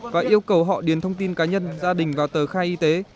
và yêu cầu họ điền thông tin cá nhân gia đình vào tờ khai y tế